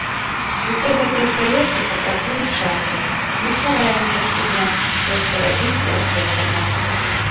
Усе гэтыя праекты патрабуюць часу, мы стараемся штодня штосьці рабіць для гэтага.